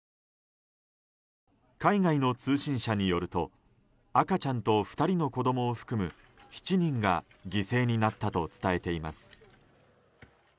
海外の通信社によると赤ちゃんと２人の子供を含む７人が犠牲になったと伝えています。